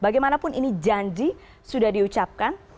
bagaimanapun ini janji sudah diucapkan